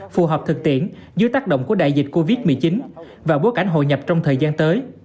phù hợp thực tiễn dưới tác động của đại dịch covid một mươi chín và bối cảnh hội nhập trong thời gian tới